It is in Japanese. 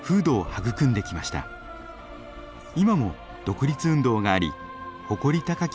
今も独立運動があり誇り高き